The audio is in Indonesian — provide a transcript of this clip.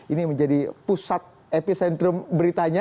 ini menjadi pusat epicentrum beritanya